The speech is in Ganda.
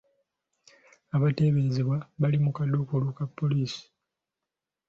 Abateeberezebwa bali mu kadduukulu ka poliisi.